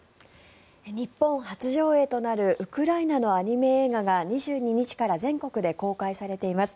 日本初上映となるウクライナのアニメ映画が２２日から全国で公開されています。